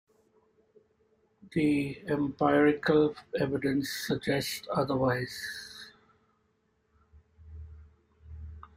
The empirical evidence suggests otherwise.